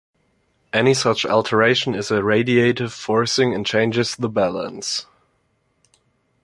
Any such alteration is a radiative forcing, and changes the balance.